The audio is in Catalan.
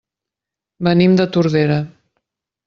Venim de Tordera.